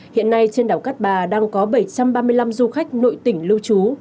hiện nay trên đảo cát bà đang có bảy trăm ba mươi năm du khách nội tỉnh lưu trú